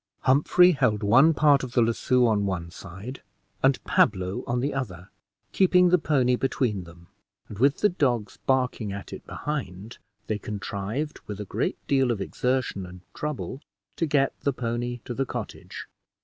Humphrey held one part of the lasso on one side, and Pablo on the other, keeping the pony between them; and with the dogs barking at it behind, they contrived, with a great deal of exertion and trouble, to get the pony to the cottage.